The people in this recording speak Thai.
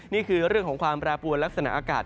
นี่คือเรื่องของความแปรปรวจและสนักอากาศ